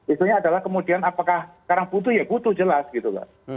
isunya adalah kemudian apakah sekarang butuh ya butuh jelas gitu loh